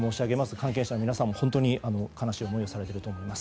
関係者の皆様も本当に悲しい思いをされていると思います。